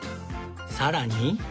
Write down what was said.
さらに